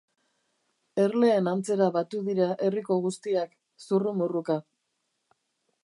Erleen antzera batu dira herriko guztiak, zurrumurruka.